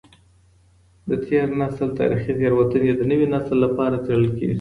د تېر نسل تاريخي تېروتني د نوي نسل لخوا څېړل کېږي.